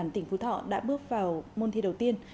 tỉnh phú thọ đã bước vào môn thi đầu tiên